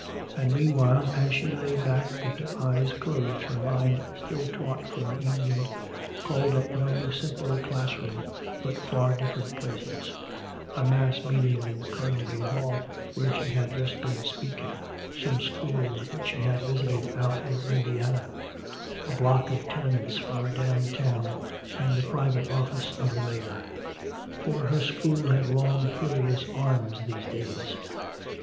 And meanwhile, as she lay back with eyes closed, her mind still taut from the evening called up no simple class room but far different places a mass meeting in Carnegie Hall where she had just been speaking, some schools which she had visited out in Indiana, a block of tenements far downtown and the private office of the mayor. For her school had long curious arms these days.